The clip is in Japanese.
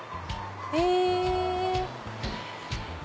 へぇ。